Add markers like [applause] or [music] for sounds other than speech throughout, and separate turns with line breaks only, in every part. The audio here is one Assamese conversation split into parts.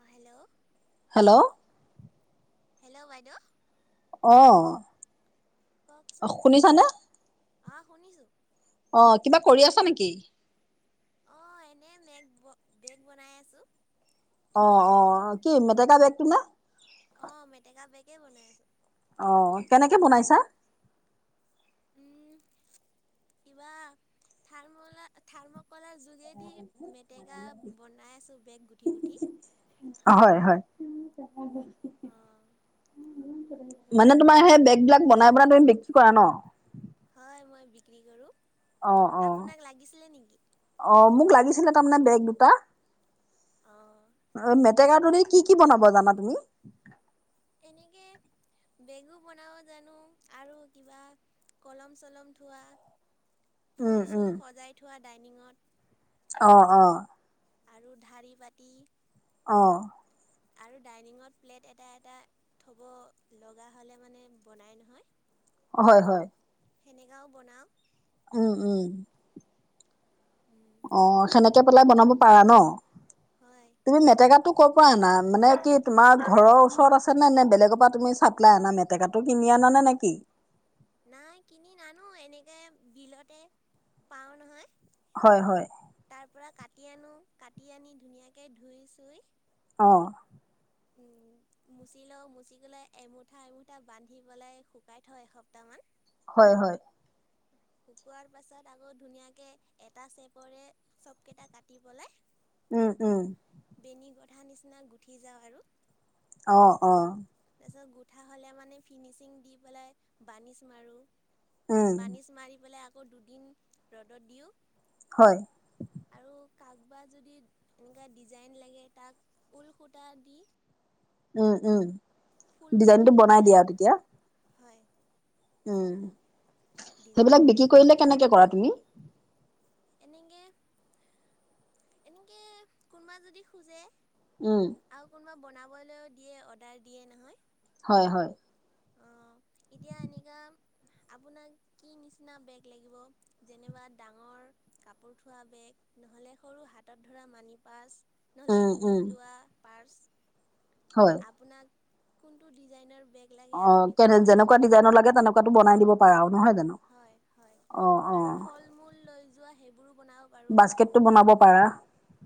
অঁ', -হেল্ল'।
হেল্ল'।
হেল্ল' বাইদেউ।
অ',।
কওঁকচোন?
শুনিছানে
অঁ', -শুনিছো।
অ', কিবা কৰি আছা নেকি?
অঁ', এনেই মেগ ব-বেগ বনাই আছোঁ।
অ', -অ', কি মেটেকা বেগটো নে?
অঁ', মেটেকা বেগে বনাই আছো।
অ', কেনেকে বনাইছা?
উমঁ, কিবা থাৰলা-থাৰ্মক'লাৰ- যোগেদি মেটেকা বনাই আছো বেগ গুঠি-গুঠি।
অঁ', -হয়-হয়।
অ'
মানে তোমাৰ সেই বেগ বিলাক বনাই-বনাই তুমি বিক্ৰি কৰা ন'?
হয়, মই বিক্ৰী কৰোঁ।
অ অ
আপোনাক লাগিছিলে নেকি?
অ', মোক লাগিছিলে তাৰমানে বেগ দুটা।
অ'।
অ', মেটেকাটো দি কি কি বনাব জানা তুমি?
এনেকে বেগো বনাব জানোঁ, আৰু কিবা কলম চলম থোৱা,
উম
ফুল
উম
চুল সজাই থোৱা ডাইনিঙত।
অ', অ'।
আৰু ঢাৰি পাতি।
অ'।
আৰু ডাইনিঙত প্লেট এটা, এটা। থ'ব লগা হ'লে মানে বনাই নহয়।
হয়, হয়।
সেনেকাও বনাওঁ।
উম, উম।
উম।
অ', সেনেকে পেলাই বনাব পাৰা ন?
হয়।
তুমি মেটেকাটোক ক'ৰ পৰা আনা? মানে কি তোমাৰ ঘৰৰ ওচৰত আছে নে বেলেগৰ পৰা তুমি চাপ্লাই আনা নে? মেটেকাটো কিনি আনা নে নেকি?
নাই কিনি নানো এনেকে বিলতে পাওঁ নহয়।
হয়, হয়।
তাৰ পৰাৰা কাটি আনো, কাটি আনি ধুনীয়াকে ধুই চুই।
অ'।
উম
[inaudible]
মুচি লওঁ, মুচি কলাই এমুঠা, এমুঠা বান্ধি পেলাই শুকাই থওঁ এসপ্তাহ মান।
হয়, হয়।
শুকোৱাৰ পাছত আকৌ ধুনীয়াকৈ এটা চেপৰে চবকেইটা কাটি বলে।
উম, উম।
বেনী গধা নিচিনা গুঠি যাওঁ আৰু।
অ', অ'।
তাৰপিছত গুঠা হ'লে মানে ফিনিচিং দি পেলাই বানিছ মাৰোঁ।
উম
বানিছ মাৰি পেলাই আকৌ দুদিন ৰ'দত দিওঁ।
হয়।
আৰু কাকবা যদি, এনেকে ডিজাইন লাগে তাক, ঊল সূতা দি
উম, উম।
ফুল গুটি
ডিজাইনটো বনাই
এটা
দিয়া তেতিয়া।
হয়।
উম,
ডিজাইন
সেইবিলাক
বনাই
বিক্ৰী
দিওঁ
কৰিলে কেনেকে কৰা তুমি?
এনেকে, এনেকে কোনোবা যদি খোজে।
উম।
আৰু কোনোবা বনাবলৈও দিয়ে অৰ্ডাৰ দিয়ে নহয়।
হয়, হয়।
অ', এতিয়া আনেকা আপোনাক কি নিচিনা বেগ লাগিব? যেনিবা ডাঙৰ কাপোৰ থোৱা বেগ নহ'লে সৰু হাতত ধৰা মানি পাৰ্চ, নহ'লে
উম উম
ডিঙিত লোৱা পাৰ্চ।
হয়।
আপোনাক, কোনটো ডিজাইনৰ বেগ। লাগে
অ',
আপুনি ক'ব
কেনে
পাৰে
যেনেকুৱা ডিজাইনৰ লাগে তেনেকুৱাতো বনাই দিব পাৰা আৰু নহয় জানোঁ?
হয়- হয় আৰু ফল মূল লৈ যোৱা সেইবোৰো বনাও।
বাস্কেটটো বনাব পাৰা।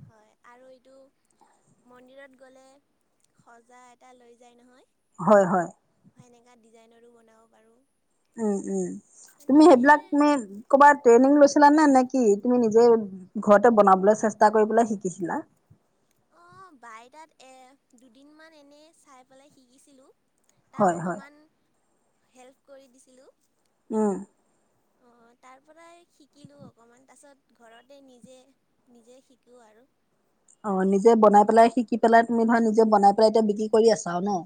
হয় আৰু এইটো মন্দিৰত গ'লে সজা এটা লৈ যায় নহয়।
হয়- হয়।
সেনেকা ডিজাইনৰো বনাব পাৰোঁ।
উম- উম
মানে
তুমি সেইবিলাক
ঢেৰ
তুমি ক'বাত ট্ৰেইনিং লৈছিলা নে, নে কি তুমি নিজে ঘৰতে বনাবলৈ চেষ্টা কৰি পেলাই শিকিছিলা?
অ, বাই তাত এ দুদিনমান এনে চাই পেলাই শিকিছিলোঁ। তাক
হয় হয়
অকণমান হেল্প কৰি দিছিলোঁ।
উম।
অ' তাৰ পৰাই শিকিলো অকমান, তাৰপিছত ঘৰতে নিজে নিজে শিকোঁ আৰু।
অ, নিজে বনাই পেলাই, শিকি পেলাই তুমি ধৰা নিজে বনাই পেলাই, এতিয়া বিক্ৰী কৰি আছা আৰু ন?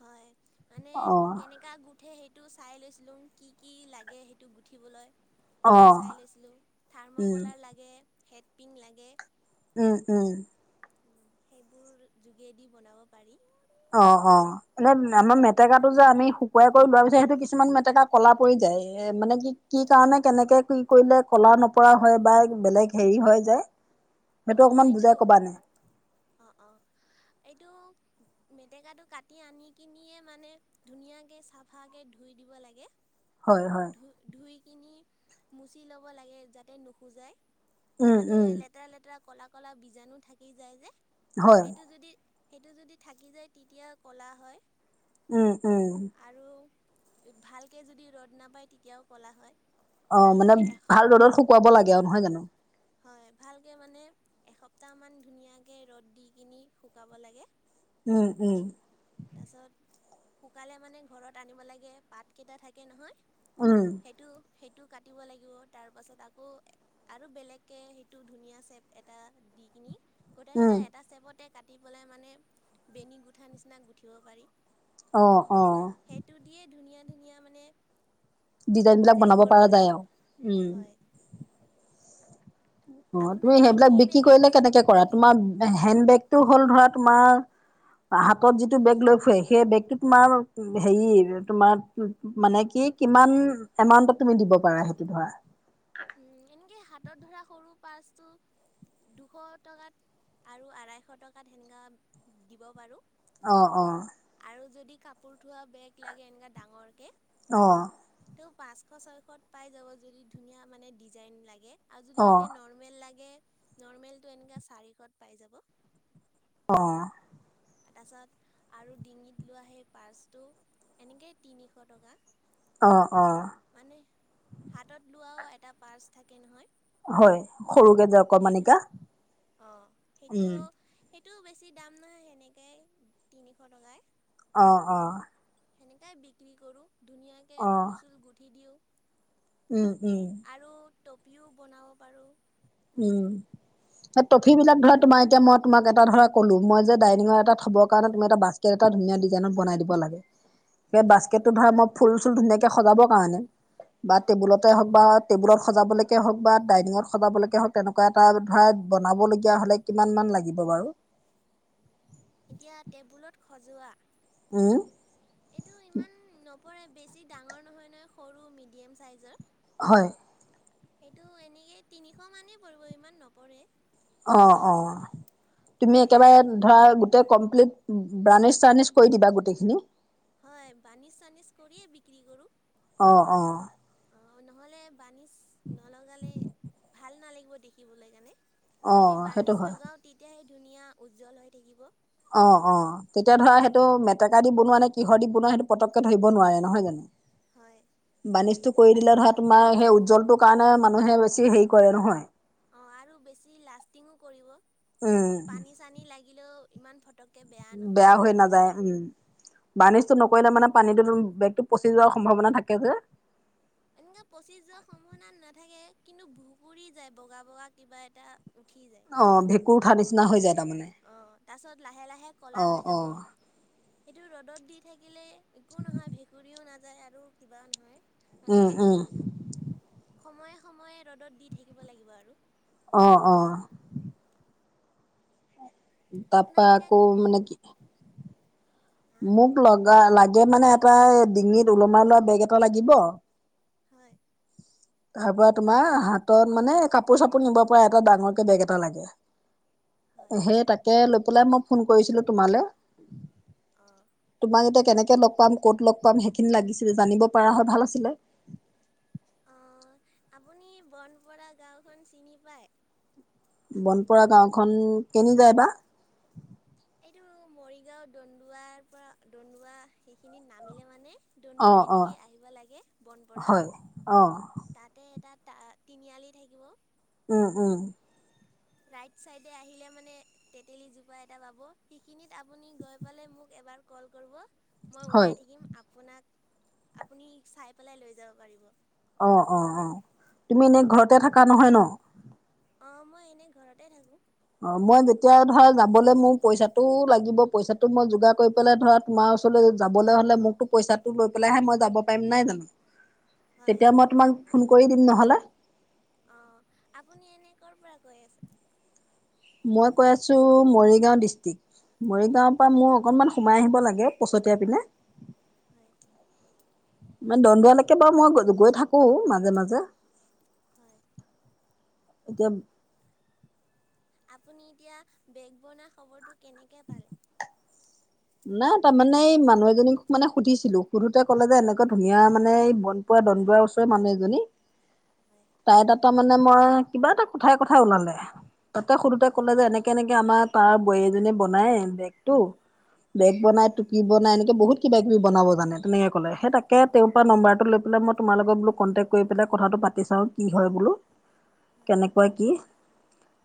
হয়। মানে
অ
কেনেকে কা গুঠে সেইটো চাই লৈছিলোঁ। কি কি লাগে সেইটো গুঠিবলৈ।
অ
সেইটো চাই লৈছিলোঁ, থাৰ্ম
উম
কলাৰ লাগে হেডপিন লাগে।
উম, উম।
উম, সেইবোৰ যোগেদি বনাব পাৰি।
অ-অ। এনে আমাৰ মেটেকাটো যে আমি শুকুৱাই কৰি লোৱাৰ পিছত সেইটো কিছুমান মেটেকা ক'লা পৰি যায়। এ মানে কি কি কাৰণে কেনেকে কি কৰিলে কলা নপৰা হয় বা বেলেগ হেৰি হয় যায়? [inaudible]
অ,
অকমান
এইটো
বুজাই কবা নে?
অ-অ এইটো মেটেকাটো কাটি আনি কিনিয়ে মানে ধুনীয়াকৈ চাফাকৈ ধুই দিব লাগে।
হয়, হয়।
ধুই কিনে মুচি ল'ব লাগে, যাতে নুসুযাই,
উম
তাতে
উম
লেতে তেৰা লেতেৰা ক'লা- ক'লা বীজাণু থাকি যায় যে।
হয়
সেইটো যদি সেইটো যদি থাকি যায় তেতিয়া ক'লা হয়।
উম, উম।
আৰু ভালকৈ যদি ৰ'দ নাপায় তেতিয়াও ক'লা হয়।
মানে
ভালকৈ এসপ
ভাল ৰ'দত শুকুৱাব লাগে আৰু নহয় জানো?
হয়। ভালকৈ মানে এসপ্তাহমান ধুনীয়াকৈ ৰ'দ দি কিনি শুকাব লাগে।
উম, উম।
তাৰপাছত শুকালে মানে ঘৰত আনিব লাগে, পাতকেইটা থাকে নহয়।
উম।
সেইটো- সেইটো কাটিব লাগিব। তাৰ পাছত আকৌ আৰু বেলেগকে সেইটো ধুনীয়া চেপ এটা দি কিনি
উম
গোটাকেইটা এটা চেপতে কাটি পেলাই মানে বেনী গুঠা নিচিনাকে গুঠিব পাৰি।
অ- অ।
এইটো দিয়ে ধুনীয়া- ধুনীয়া মানে মানে
ডিজাইন বিলাক বনাব
কৰিব
পৰা
পাৰে
যায় আৰু। উম।
হয়
অ, তুমি
আপোনাক এতিয়া
সেইবিলাক
কি
বিক্ৰী
বেগ
কৰিলে
লাগিছিলে
কেনেকে কৰা? তোমাৰ হেণ্ড বেগটো হ'ল ধৰা তোমাৰ হাতত যিটো বেগ লৈ ফুৰে, সেই বেগটো তোমাৰ হেৰি, তোমাৰ মানে কি কিমান এমাউন্টত তুমি দিব পাৰা সেইটো ধৰা?
উম, এনেকে হাতত ধৰা সৰু পাৰ্চটো দুশ টকাত আৰু আঢ়াই শ টকাত সেনেকা দিব পাৰোঁ।
অ' অ'।
আৰু যদি কাপোৰ থোৱা বেগ লাগে এনেকা ডাঙৰকে
অ্
ত' পাঁচশ-ছয়শত পাই যাব যদি ধুনীয়া মানে ডিজাইন লাগে আৰু যদি
অ
এনে নৰ মেল লাগে, নৰ্মেলটো এনেকা চাৰিশত পাই যাব।
অ'।
তাৰছত আৰু ডিঙিত লোৱা সেই পাৰ্চটো, এনেকেই তিনিশ টকা।
অঁ অঁ।
মানে, হাতত লোৱাও এটা পাৰ্চ থাকে নহয়?
হয়, সৰুকে যে অকনমানিকা।
অঁ সেইটো, সেইটোও বেছি দাম নহয় সেনেকাই তিনিশ টকাই।
অ' অ্।
সেনেকাই বিক্ৰী কৰোঁ, ধুনীয়াকে
অ
ফুল-চুল গুঠি দিওঁ।
উম' উম'।
আৰু টপিও বনাব পাৰোঁ।
উম', টফি বিলাক ধৰা তোমাৰ এতিয়া মই তোমাক এটা ধৰা ক'লো মই ডাইনিংত এটা থব কাৰণে তুমি এটা বাচকেট এটা ধুনীয়া ডিজাইনত বনাই দিব লাগে, সেই
হয়
বাচকেট টো ধৰক মই ফুল-চুল ধুনীয়াকে সজাব কাৰণে, বা
অঁ
টেবুলত হক বা টেবুলত সজাবলেকে হওক বা ডাইনিঙত সজাবলে হক এনেকুৱা এটা ধৰা বনাবলগীয়া হ'লে কিমান মান লাগিব বাৰু?
এতিয়া টেবুলত ষজোৱা
উম্
এইটো ইমান নপৰে বেছি ডাঙৰ নহয় নহয় সৰু মিডিয়াম চাইজৰ।
হয়।
সেইটো এনেকে তিনিশ মানেই পৰিব ইমান নপৰে।
অঁ অঁ। তুমি
তাতে আকৌ
একেবাৰে ধৰা গো- গোটেই কমপ্লিট ব্ৰাণিছ-চাৰ্নিচ কৰি দিবা গোটেইখিনি।
হয় বানিছ-চানিজ কৰিয়ে বিক্ৰী কৰোঁ।
অঁ অঁ।
অঁ নহ'লে বানিছ নলগালে ভাল নালাগিব দেখিবলৈ কাণে।
অ
যদি
সেইটো
বানিছ
হয়
লগাও তেতিয়াহে ধুনীয়া, উজ্জ্বল হৈ থাকিব।
অঁ অঁ, তেতিয়া ধৰা
অঁ
সেইটো মেট- টেকা দি বনোৱা নে কিহ দি বনোৱা সেইটো পটককে ধৰি নোৱাৰে নহয় জানো?
হয়।
বাৰ্নিজটো কৰি দিলে ধৰা তোমাৰ সেই উজ্জ্বলটোৰ কাৰণে মানুহে বেছি হেৰি কৰে নহয়।
অঁ আৰু বেছি লাষ্টিঙো কৰিব।
উম্
পানী লাগিলেও ইমান ফটক-
বেয়া হৈ নাযায় উম,
অ
বাৰ্নিজটো নক- পৰিলে মানে পানীটোতো বেগটো পচি যোৱাৰ সম্ভাৱনা থাকে যে।
এনকে পচি যোৱাৰ সম্ভাৱনা নাথাকে কিন্তু ভুগূৰি যায় বগা বগা কিবা এটা উঠি যায়।
অঁ ভেঁকুৰ উঠা নিচিনা হৈ যায়। তাৰমানে
অঁ তাৰছত লাহে লাহে ক'লা
অ
হৈ
অ।
যাব, সেইটো ৰ'দত দি থাকিলে একো নহয় ভেঁকুৰীও নাযায় আৰু কিবাও নহয় মানে।
উম উম
সময়ে সময়ে ৰ'দত দি থাকিব লাগিব আৰু।
অঁ অঁ।
আপোনাক
তাৰাপা
এতিয়া
আকৌ মানে কি
হা
মোক লগা লাগে মানে এটা ডিঙিত ওলমাই লোৱা বেগ এটা লাগিব।
হয়।
তাৰ পৰা তোমাৰ হাতত মানে কাপোৰ চাপোৰ নিব এটা ডাঙৰকে বেগ এটা লাগে।
হয়
সেই তাকে লৈ পেলাই মই ফোন কৰিছিলো তোমালে।
অঁ।
তোমাক এতিয়া কেনেকে লগ পাম ক'ত লগ পাম সেইখিনি লাগিছিলে জানিব পৰা হয় ভাল আছিলে।
অঁ, আপুনি বনপৰা গাঁওখন চিনি পায়।
বনপৰা গাঁওখন কেনি যায় বা?
এইটো মৰিগাঁও দন্দুৱাৰ পৰা দন্দুৱা সেইখিনিত নামিলে মানে, দন্দুৱা
অ'
দিগি আহিব লাগে বনপৰা।
অঁ।
তাতে এটা তিনিআলি থাকিব।
উম উম।
ৰাইট চাইডে আহিলে মানে তেতেলীজোপা এটা পাব সেইখিনিত আপুনি গৈ পালে মোক এবাৰ কল কৰিব, মই
হয়
ওলাই থাকিম আপুনি চাই লৈ যাব পাৰিব।
অঁ অঁ অঁ, তুমি এনেই ঘৰতে থাক নহয় ন।
অঁ, মই এনেই ঘৰতে থাকোঁ।
অঁ মই যেতিয়া ধৰা যাবলৈ মোৰ পইচাটো লাগিব, পইচাটো মই যোগাৰ কৰি পেলাই ধৰা তোমাৰ ওচৰলৈ যাবলে হলে মোকতো পইচাটো লৈ পেলাইহে মই যাব পাৰিম নাই জানো।
হয়
তেতিয়া মই তোমাক ফোন কৰি দিম নহলে।
অঁ, আপুনি এনেই কৰ' পৰা কৈ আছে?
মই কৈ আছো মৰিগাঁও ডিষ্ট্ৰিক মৰিগাঁৱৰ পৰা
হয়
মোৰ অকণমান সোমাই আহিব লাগে পছতিয়া পিনে।
হয়।
মানে দন্দুৱালৈকে বাৰু মই গৈ থাকো মাজে মাজে।
হয়।
[inaudible]
আপুনি এতিয়া বেগ বনোৱা খবৰটো কেনেকে পালে?
নাই তাৰমানে এই মানুহ এজনীক মানে সুধিছিলো, সুধোতে ক'লে যে এনেকুৱা ধুনীয়া মানে এই বন পৰা দন্দুৱা ওচৰে মানুহ এজনী।
হয়।
তাই তটা মানে মই কিবা এটা কথাই কথাই ওলালে, তাতে সোধোতে
অঁ
কলে যে এনে কে এনেকে আমাৰ তাৰ বোৱাৰি এজনীয়ে বনাই বেগটো বেগ
হয়
বনাই। কি বনাই এনেকৈ বহু কিবা কিবি বনাব জানে তেনেকৈ ক'লে সেই তাকে তেওঁৰ পৰা নম্বাৰটো লৈ পেলাই মই তোমাৰ লগত বোলো কণ্টেক্ট কৰি পেলাই কথাটো পাতি চাওঁ কি হয় বোলো।
হয়
কেনেকুৱা কি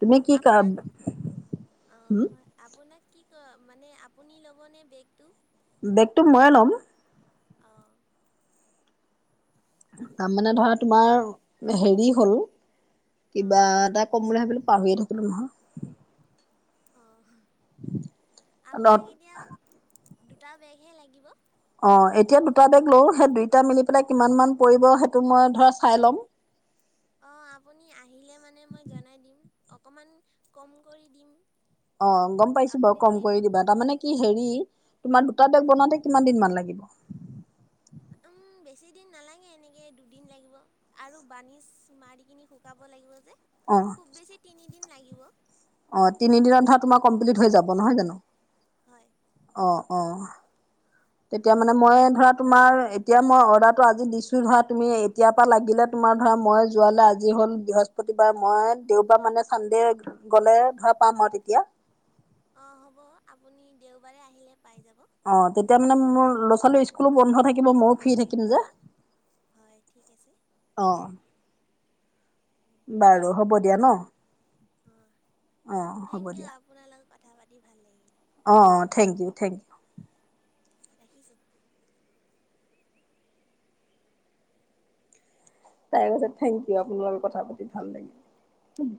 তুমি
অঁ
কি কা
আপোনাক অঁ
হুম।
হয় আপোনাক কি কয় মানে আপুনি ল'বনে বেগটো?
বেগতটো ময়ে ল'ম।
অঁ।
তাৰ মানে ধৰা তোমাৰ হেৰি হ'ল,
অঁ
কিবা এটা কম বুলি ভাবিলো পাহৰিয়ে থাকিলো নহয়।
অহ, আপোনাক
নহয়
এতিয়া দুটা বেগহে লাগিব।
অঁ, এতিয়া দুটা বেগ লওঁ। সেই দুইটা মিলি পেলাই কিমান মান পৰিব সেইটো মই ধৰা চাই ল'ম।
অঁ, আপুনি আহিলে মানে মই জনাই দিম অকণমান কম কৰি দিম।
অঁ, গম পাইছো বাৰু
আপুনি
কম
যদি
কৰি দিবা।
অঁ
তাৰনানে কি হেৰি তোমাৰ দুটা বেগ
হয়
বনাওঁতে- কিমান দিন মান লাগিব?
উম, বেছি দিন নালাগে এনেকে দুদিন লাগিব। আৰু বাৰ্নিচ মাৰি কিনি শুকাব লাগিব যে
অ
খুব বেছি তিনিদিন লাগিব।
অঁ, তিনি দিনত ধৰা তোমাৰ কমপ্লিট হৈ যাব, নহয় জানো?
হয়।
অঁ, অঁ। তেতিয়া মানে মই ধৰা তোমাৰ এতিয়া মই অৰ্ডাৰটো আজি দিছো। ধৰা তুমি এতিয়াৰ পৰা লাগিলে- তোমাৰ ধৰা মই যোৱালৈ আজি হ'ল বৃহস্পতিবাৰ মই দেওবাৰ মানে চানদে- গ'লে ধৰা পাম মই তেতিয়া।
অঁ, হ'ব আপুনি দেওবাৰে আহিলে পাই যাব।
অঁ, তেতিয়া মানে মোৰ ল'ৰা- ছোৱালী স্কুলো বন্ধ থাকিব, মইয়ো ফ্ৰী থাকিম যে।
হয়, ঠিক আছে।
অঁ।
উম।
বাৰু হ'ব দিয়া ন।
অঁ,
অঁ হ'ব
থেংক ইউ।
দিয়া
আপোনাৰ লগত কথা পাতি ভাল লাগিল।
অঁ, থেংক ইউ, থেংক ইউ।
ৰাখিছোঁ।
তাই কৈছে থেংক ইউ, আপোনাৰ লগত কথা পাতি ভাল লাগিল।